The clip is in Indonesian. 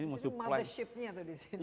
mothershipnya tuh disini